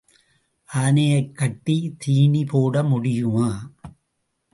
ஆனையைக் கட்டித் தீனி போட முடியுமா?